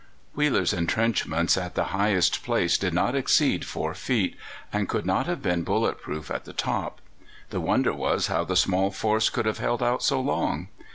Wheeler's entrenchments at the highest place did not exceed 4 feet, and could not have been bullet proof at the top. The wonder was how the small force could have held out so long.